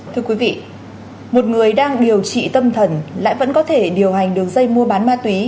thưa quý vị một người đang điều trị tâm thần lại vẫn có thể điều hành đường dây mua bán ma túy